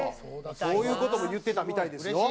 そういう事も言ってたみたいですよ。